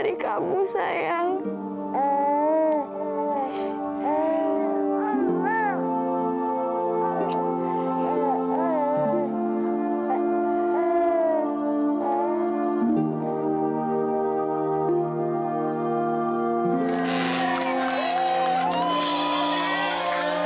tapi kalau tersenyum nggak praktek view kayak ni